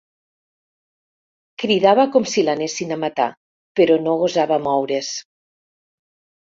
Cridava com si l'anessin a matar, però no gosava moure's.